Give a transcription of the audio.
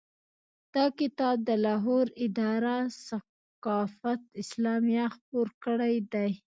دا کتاب د لاهور اداره ثقافت اسلامیه خپور کړی دی.